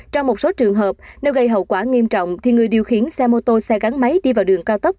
trong một số trường hợp nếu gây hậu quả nghiêm trọng thì người điều khiển xe mô tô xe gắn máy đi vào đường cao tốc